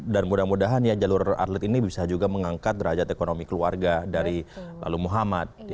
dan mudah mudahan jalur atlet ini bisa juga mengangkat derajat ekonomi keluarga dari lalu muhammad